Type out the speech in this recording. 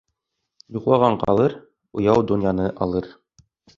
Йоҡлаған ҡалыр, уяу донъяны алыр.